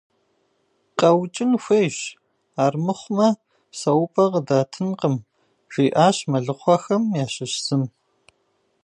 КъэукӀын хуейщ, армыхъумэ псэупӀэ къыдатынкъым, - жиӀащ мэлыхъуэхэм ящыщ зым.